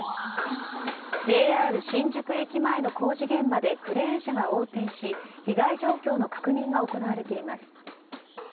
新宿駅前の工事現場でクレーン車が横転し被害状況の確認が行われています。